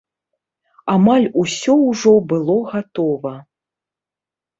Амаль усё ўжо было гатова.